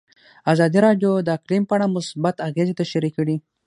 ازادي راډیو د اقلیم په اړه مثبت اغېزې تشریح کړي.